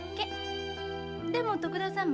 でも徳田様。